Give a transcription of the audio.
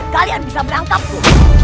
kalian bisa melangkapku